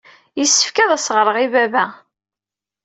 Yessefk ad as-ɣreɣ i baba.